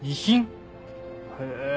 へえ。